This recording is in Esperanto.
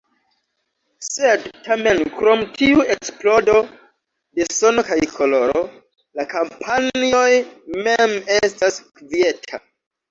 Sed tamen krom tiu eksplodo de sono kaj koloro, la kampanjoj mem estas kvieta.